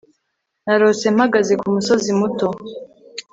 Narose mpagaze kumusozi muto